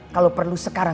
kalau perlu sekalian